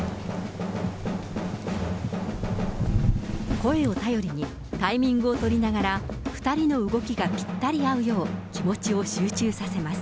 声を頼りに、タイミングを取りながら、２人の動きがぴったり合うよう、気持ちを集中させます。